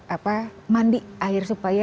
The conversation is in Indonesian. apa mandi air